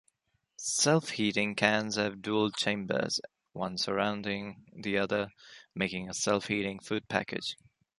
Self-heating cans have dual chambers, one surrounding the other, making a self-heating food package.